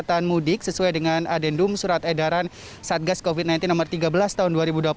jadi masa penyekatan mudik sesuai dengan adendum surat edaran satgas covid sembilan belas nomor tiga belas tahun dua ribu dua puluh satu